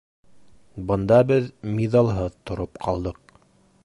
Бында беҙ миҙалһыҙ тороп ҡалдыҡ.